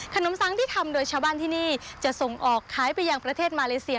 งสังที่ทำโดยชาวบ้านที่นี่จะส่งออกขายไปยังประเทศมาเลเซีย